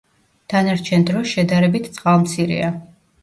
დანარჩენ დროს შედარებით წყალმცირეა.